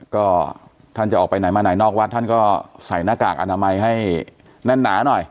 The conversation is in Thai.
ก็ท่านจะออกไปไหนมาไหนนอกวัดท่านก็ใส่หน้ากากอนามัยให้แน่นหนาหน่อย